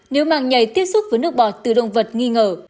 nếu màng nhảy tiếp xúc với nước bọt từ động vật nghi ngờ